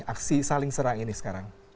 aksi saling serang ini sekarang